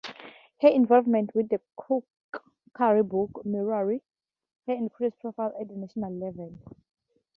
Her involvement with the cookery book mirrored her increased profile at the national level.